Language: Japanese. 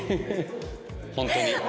本当に。